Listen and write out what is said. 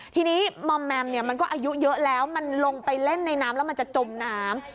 ทีนี้มอมแมมเนี่ยมันก็อายุเยอะแล้วมันลงไปเล่นในน้ำแล้วมันจะจมน้ำ